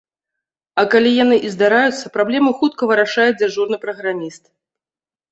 А калі яны і здараюцца, праблему хутка вырашае дзяжурны праграміст.